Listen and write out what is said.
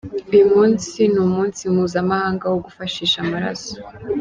Uyu munsi ni umunsi mpuzamahanga wo gufashisha amaraso.